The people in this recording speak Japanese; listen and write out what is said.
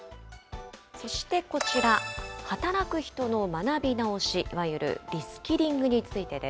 そしてこちら、働く人の学び直し、いわゆるリスキリングについてです。